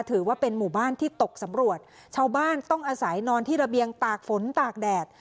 ถือว่าเป็นหมู่บ้านที่ตกสำรวจชาวบ้านต้องอาศัยนอนที่ระเบียงตากฝนตากแดด